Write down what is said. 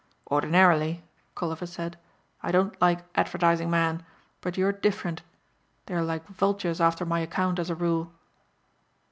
"Ordinarily," Colliver said, "I don't like advertising men, but you're different. They're like vultures after my account as a rule."